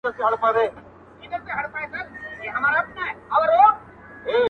پردی ولات د مړو قدر کموینه،